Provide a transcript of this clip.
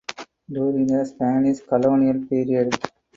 During the Spanish Colonial Period.